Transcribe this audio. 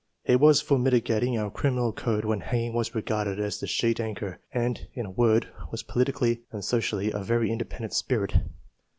He was for mitigating our criminal code when hanging was regarded as the sheet anchor, and, in a word, was politically and socially a very independent spirit."